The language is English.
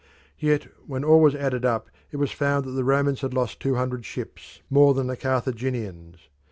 Yet when all was added up it was found that the Romans had lost two hundred vessels more than the Carthaginians.